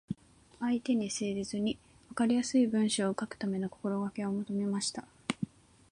相手に誠実に、わかりやすい文章を書くための心がけをまとめました。